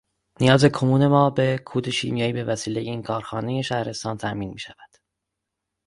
نیاز کمون ما به کود شیمیائی بوسیلهٔ این کارخانهٔ شهرستان تأمین میشود.